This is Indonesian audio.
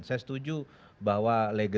saya setuju bahwa legacy selain itu